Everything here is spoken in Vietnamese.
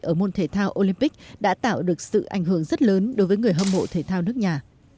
ở môn thể thao olympic đã tạo được sự ảnh hưởng rất lớn đối với người hâm mộ thể thao nước nhà